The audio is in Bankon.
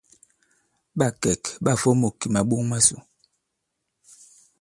Ɓâ kɛ̀k ɓâ fomôk kì màɓok masò.